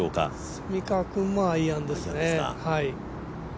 蝉川君もアイアンですね。